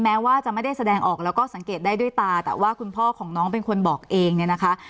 แม้ว่าจะไม่ได้แสดงออกแล้วก็สังเกตได้ด้วยตาแต่ว่าคุณพ่อของน้องเป็นคนบอกเองเนี่ยนะคะ